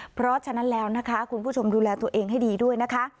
เพราะฉะนั้นแล้วนะคะคุณผู้ชมดูแลตัวเองให้ดีด้วยนะคะ